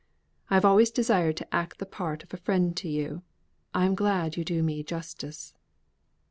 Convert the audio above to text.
I have always desired to act the part of a friend to you. I am glad you do me justice."